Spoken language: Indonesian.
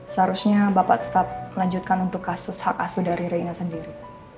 seharusnya bapak tetap lanjutkan untuk kasus hak asuh dari reina sendiri